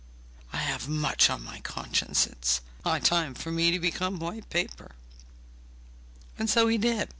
I have much on my conscience; it is high time for me to become white paper!' And so he did!